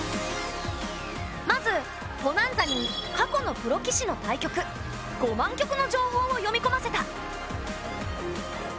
まずポナンザに過去のプロ棋士の対局５万局の情報を読みこませた。